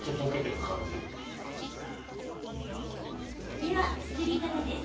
では作り方です。